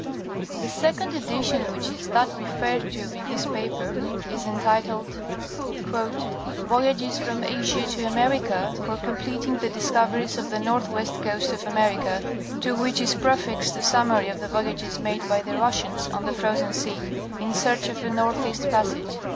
The second edition which is that referred to in this paper is entitled "Voyages from Asia to America, for completing the dis coveries of the northwest coast of America. To which is pre fixed, a summary of the Voyages made by the Russians on the Frozen Sea, in search of a northeast passage.